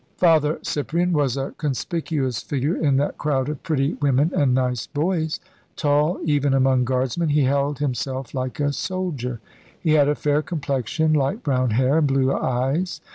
Father Cyprian was a conspicuous figure in that crowd of pretty women and "nice boys." Tall, even among guardsmen, he held himself like a soldier. He had a fair complexion, light brown hair, and blue eyes.